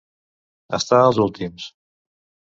Estar als últims.